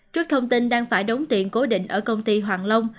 trước thông tin đang phải đóng tiền cố định ở công ty hoàng long